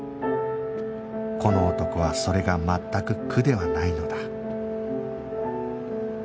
この男はそれが全く苦ではないのだ